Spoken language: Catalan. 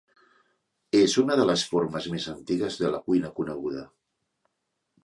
És una de les formes més antigues de la cuina coneguda.